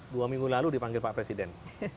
dua minggu lalu dipanggil pak presiden